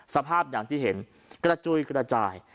สภาพอย่างที่เห็นกระจุยกระจาย